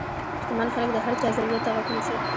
شتمن خلک د هر چا ضرورت ته غوږ نیسي.